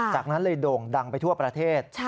จากนั้นเลยโด่งดังไปทั่วประเทศ